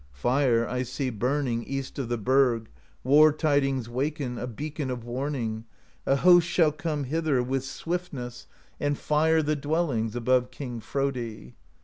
'Fire I see burning East of the burg. War tidings waken, A beacon of warning: A host shall come Hither, with swiftness. i68 PROSE EDDA And fire the dwellings Above King Frodi.